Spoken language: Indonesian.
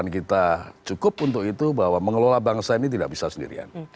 dan kita cukup untuk itu bahwa mengelola bangsa ini tidak bisa sendirian